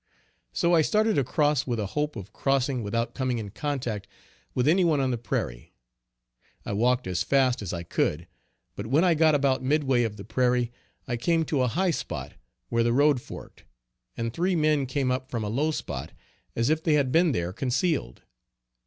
So I started across with a hope of crossing without coming in contact with any one on the prairie. I walked as fast as I could, but when I got about midway of the prairie, I came to a high spot where the road forked, and three men came up from a low spot as if they had been there concealed.